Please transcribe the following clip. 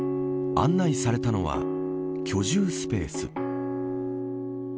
案内されたのは居住スペース。